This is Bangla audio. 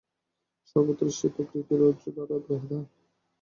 সর্বত্র সে প্রকৃতির রজ্জু দ্বারা বাঁধা।